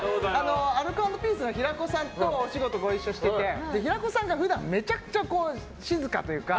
アルコ＆ピースの平子さんとお仕事ご一緒してて平子さんが普段めちゃくちゃ静かというか。